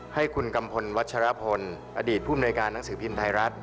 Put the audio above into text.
ให้คุณกัมพลวัชรพลอดีตผู้มนวยการหนังสือพิมพ์ไทยรัฐ